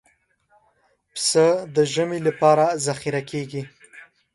پسه د ژمي لپاره ذخیره کېږي.